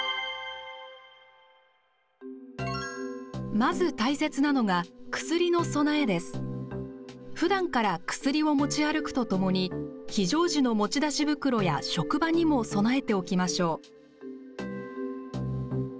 まず大切なのが、薬の備えです。ふだんから薬を持ち歩くとともに非常時の持ち出し袋や職場にも備えておきましょう。